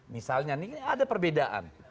misalnya nih ada perbedaan